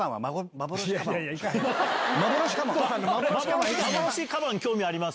まぼろしかばん、興味あります？